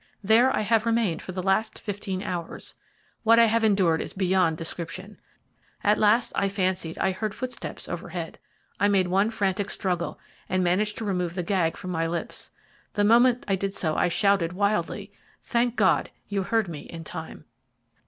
There I have remained for the last fifteen hours. What I have endured is beyond description. At last I fancied I heard footsteps overhead. I made one frantic struggle, and managed to remove the gag from my lips. The moment I did so I shouted wildly. Thank God, you heard me in time."